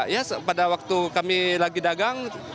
ya pada waktu kami lagi dagang